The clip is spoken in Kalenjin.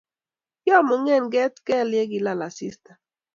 Kiamung'en ket kel ya kilal asista